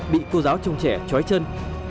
bị cô giáo trông trẻ chói chân